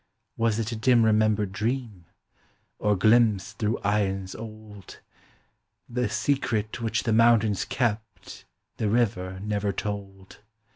Was it a dim remembered dream? Or glimpse through aeons old? The secret which the mountains kept The river never told.